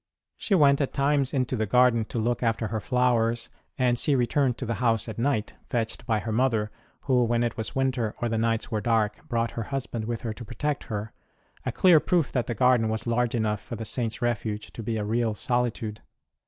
She went at times into the garden to look after her flowers, and she returned to the house at night, fetched by her mother, who, when it was winter or the nights were dark, brought her husband with her to protect her a clear proof that the garden was large enough for the Saint s refuge to be a real solitude.